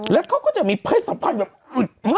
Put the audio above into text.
แล้วเขาก็จะมีเพศภัณฑ์แบบอึดมาก